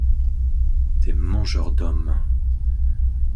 Des mangeurs d’hommes.